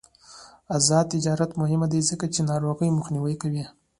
آزاد تجارت مهم دی ځکه چې د ناروغیو مخنیوی کوي.